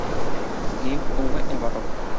Geese, Uwe: "El Barroco".